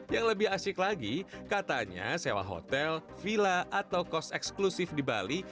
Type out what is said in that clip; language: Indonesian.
yang lebih asik lagi katanya sewa hotel villa atau kos eksklusif di bali